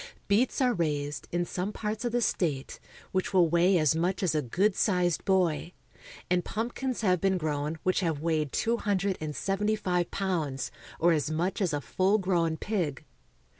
Beets are raised, in some parts of the state, which will weigh as much as a good sized boy ; and pumpkins have been grown which have weighed two hun dred and seventy five pounds, or as much as a full grown pig.